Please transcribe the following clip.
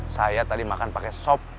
saya tadi makan pakai sop